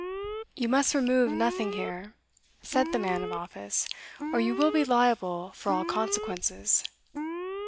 "You must remove nothing here," said the man of office, "or you will be liable for all consequences."